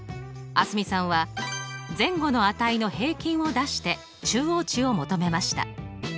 蒼澄さんは前後の値の平均を出して中央値を求めました。